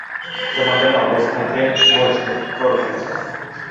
তোমাদের অবস্থানকে মজবুত করবেন।